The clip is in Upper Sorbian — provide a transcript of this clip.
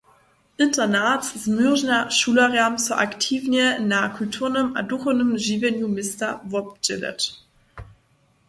Internat zmóžnja šulerjam, so aktiwnje na kulturnym a duchownym žiwjenju města wobdźěleć.